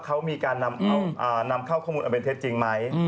เขามีการนำเข้าข้อมูลอันเป็นเท็จจริงไหม